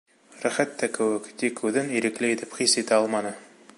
Рәхәт тә кеүек, тик үҙен ирекле итеп хис итә алманы.